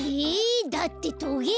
だってトゲが。